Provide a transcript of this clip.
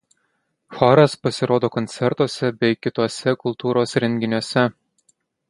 Choras pasirodo koncertuose bei kituose kultūros renginiuose.